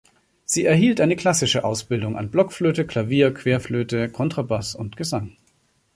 Sie erhielt eine klassische Ausbildung an Blockflöte, Klavier, Querflöte, Kontrabass und Gesang.